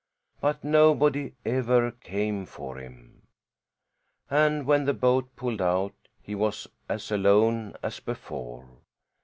But nobody ever came for him. And when the boat pulled out he was as alone as before.